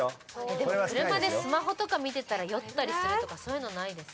でも車でスマホとか見てたら酔ったりするとかそういうの。